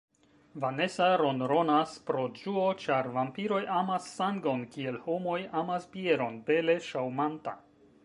Vanesa ronronas pro ĝuo, ĉar vampiroj amas sangon, kiel homoj amas bieron: bele ŝaŭmanta.